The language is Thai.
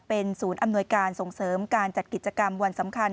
เป็นศูนย์อำนวยการส่งเสริมการจัดกิจกรรมวันสำคัญ